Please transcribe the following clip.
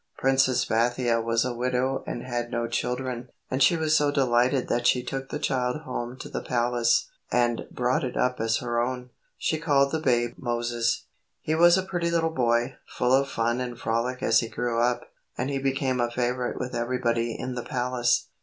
Princess Bathia was a widow and had no children, and she was so delighted that she took the child home to the palace and brought it up as her own. She called the babe Moses. He was a pretty little boy, full of fun and frolic as he grew up, and he became a favorite with everybody in the palace.